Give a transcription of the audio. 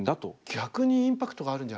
逆にインパクトがあるんじゃないですか。